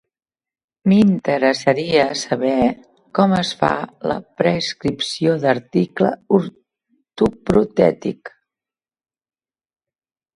M'interessaria saber com es fa la prescripció d'article ortoprotètic.